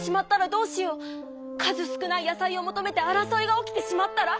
数少ない野菜を求めて争いが起きてしまったら？